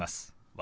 「私」。